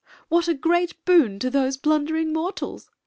" What a grea. boon to those blundering mortals